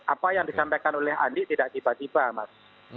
apa yang disampaikan oleh andi tidak tiba tiba mas